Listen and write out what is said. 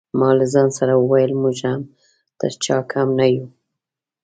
ما له ځان سره وویل موږ هم تر چا کم نه یو.